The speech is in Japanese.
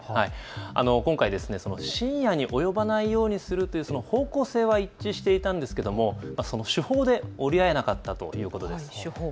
今回、深夜に及ばないようにするという方向性は一致していたんですがその手法で折り合えなかったということです。